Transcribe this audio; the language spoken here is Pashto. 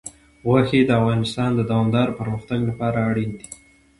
غوښې د افغانستان د دوامداره پرمختګ لپاره اړین دي.